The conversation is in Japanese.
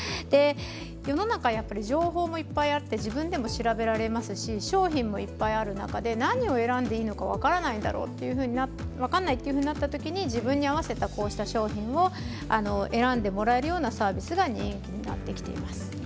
世の中、情報がいっぱいあって自分でも調べられますし商品がいっぱいある中で何がいいか分からないということになって自分に合わせてこうした商品を選んでもらえるようなサービスが人気になってきています。